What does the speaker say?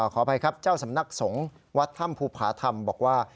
ขออภัยครับเจ้าสำนักสงฆ์วัดถ้ำภูผาธรรมบอกว่า